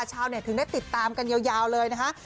ชาวเนี่ยถึงได้ติดตามกันยาวเลยนะคะ